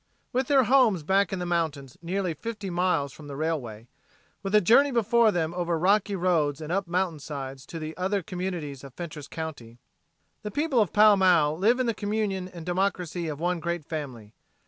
With their homes back in the mountains nearly fifty miles from the railway, with a journey before them over rocky roads and up mountainsides to the other communities of Fentress county, the people of Pall Mall live in the communion and democracy of one great family.